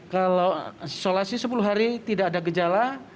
kalau isolasi sepuluh hari tidak ada gejala